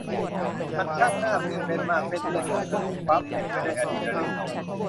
มันช่างน่าตื่นเต้นมากเส้นเลือดของเธอถูกปั๊มเต็มไปด้วยอะดรีนาลีน